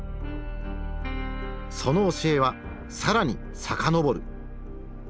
その教えは更に遡る。